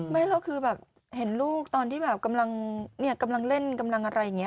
ไม่แล้วคือแบบเห็นลูกตอนที่แบบกำลังเล่นกำลังอะไรอย่างนี้